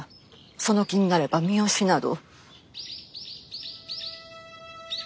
その気になれば三好など。